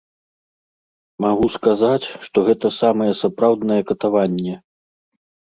Магу сказаць, што гэта самае сапраўднае катаванне.